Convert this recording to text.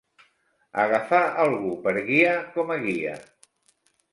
Agafar algú per guia, com a guia.